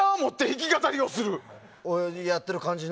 やってる感じに。